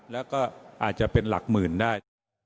แล้วก็อาจจะเป็นหลักหมื่นได้